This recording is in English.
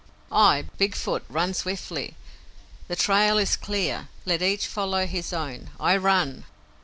I, Big Foot, run swiftly. The trail is clear. Let each follow his own. I run!"